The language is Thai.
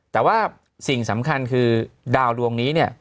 แต่ว่าสิ่งสำคัญคือดาวดวงนี้เนี่ย